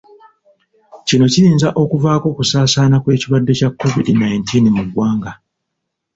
Kino kiyinza okuvaako okusaasaana kw'ekirwadde kya COVID nineteen mu ggwanga.